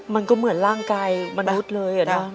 มันก็เหมือนร่างกายมนุษย์เลยนะ